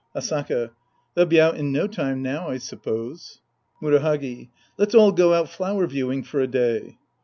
Asaka. They'll be out in no time now, I suppose. Murahagi. Let's all go out flower viewing for a day.